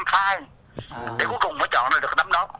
để cuối cùng mới chọn được tấm đó